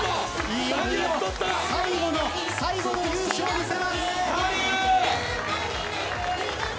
いよいよ最後の最後の勇姿を見せます。